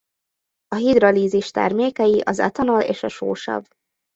A hidrolízis termékei az etanol és a sósav.